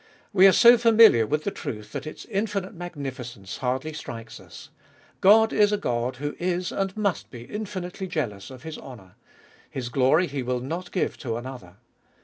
We are so familiar with the truth, that its infinite magnificence hardly strikes us. God is a God who is, and must be, infinitely jealous of His honour : His glory He will not give to another.